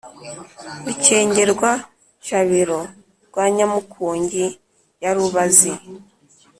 rukengerwa-jabiro rwa nyamukungi ya rubazi,